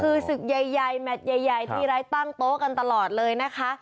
มันมีโต๊ะใหญ่แมทใหญ่ทีไร้ตั้งโต๊ะกันตลอดเลยนะฮะ